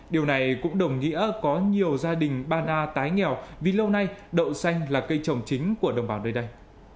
điều này cũng đồng nghĩa có nhiều gia đình ban a tái nghèo vì lâu nay đậu xanh là cây trồng chính của đồng bào nơi đây